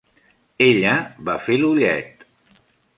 Ella va fer l'ullet.